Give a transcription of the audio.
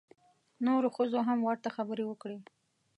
نورو ښځو هم ورته خبرې وکړې.